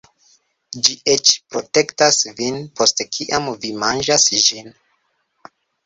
Ĝi eĉ protektas vin post kiam vi manĝas ĝin